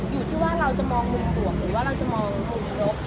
อยู่ที่ว่าเราจะมองมุมบวกหรือว่าเราจะมองมุมลบ